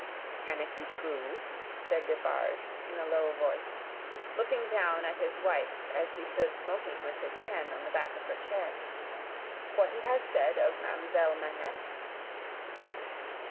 "Can it be true," said Defarge, in a low voice, looking down at his wife as he stood smoking with his hand on the back of her chair: "what he has said of Ma'amselle Manette?"